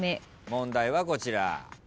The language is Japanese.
問題はこちら。